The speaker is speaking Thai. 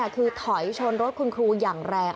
คือถอยชนรถคุณครูอย่างแรง